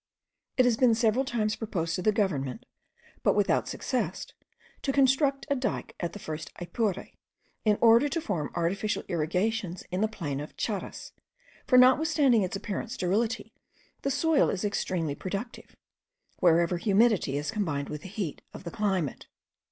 It has been several times proposed to the government, but without success, to construct a dyke at the first ipure, in order to form artificial irrigations in the plain of Charas; for, notwithstanding its apparent sterility, the soil is extremely productive, wherever humidity is combined with the heat of the climate.